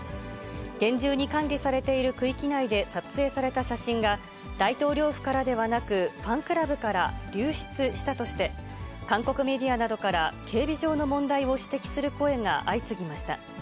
厳重に管理されている区域内で撮影された写真が、大統領府からではなく、ファンクラブから流出したとして、韓国メディアなどから、警備上の問題を指摘する声が相次ぎました。